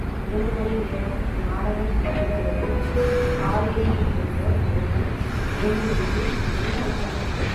இரண்டுமணி நேரம் நாடகம் நடந்த பிறகு, காலெரி யிலிருந்த ஒருவன் எழுந்திருந்து என்ன ஐயா?